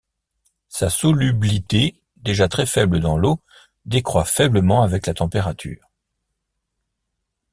Sa solublité déjà très faible dans l'eau décroît faiblement avec la température.